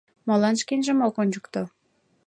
Молан шкенжым ок ончыкто?